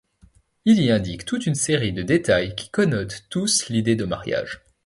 Il y indique toute une série de détails qui connotent tous l'idée de mariage.